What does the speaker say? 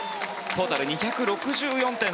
トータル２６４．３５。